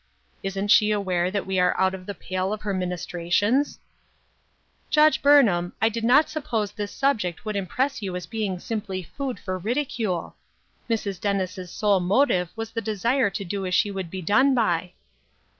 Isn't she aware that we are out of the pale of her ministrations ?"" Judge Burnham, I did not suppose this sub ject would impress you as being simply food for ridicule. Mrs. Dennis's sole motive was the desire to do as she would be done by."